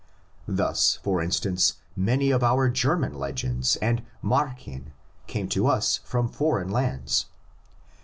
Thus for instance many of our German legends and Mdrchen came to us from foreign lands.